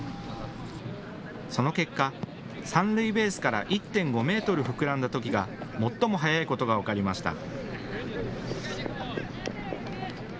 その結果、三塁ベースから１．５メートル膨らんだときが最も速いことが分かりました。